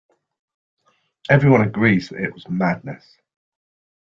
Everyone agrees that it was madness.